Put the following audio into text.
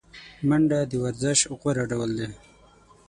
منډه د ورزش غوره ډول دی